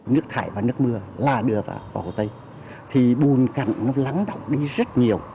nước thải và nước mưa là đưa vào hồ tây thì bùn cặn nó lắng động đi rất nhiều